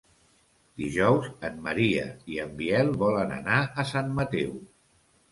Dijous en Maria i en Biel volen anar a Sant Mateu.